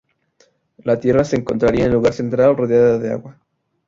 La tierra se encontraría en el lugar central, rodeada de agua.